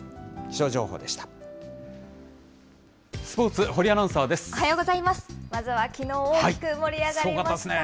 スポーツ、堀アナウンサーです。